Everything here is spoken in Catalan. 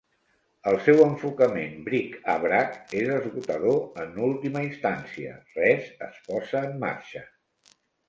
El seu enfocament "bric-a-brac" és esgotador en última instància: res es posa en marxa.